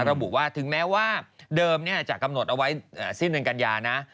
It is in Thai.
ระบุว่าถึงแม้ว่าเดิมจะกำหนดเอาไว้สิ้นเดือนกันยานะ